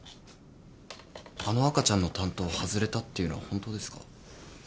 あの赤ちゃんの担当外れたっていうのは本当ですか？